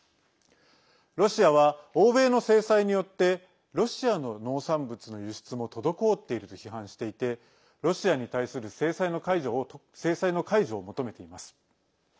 ロシアは欧米の制裁によってロシアの農産物の輸出も滞っていると批判していてロシアに対する制裁の解除を求めています。